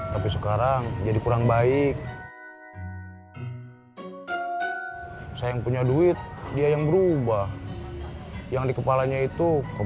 tapi sekarang jadi kurang baik saya yang punya duit dia yang berubah yang di kepalanya itu